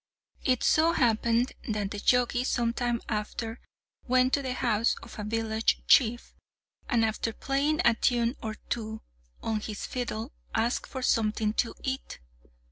It so happened that the Jogi some time after went to the house of a village chief, and after playing a tune or two on his fiddle asked for something to eat.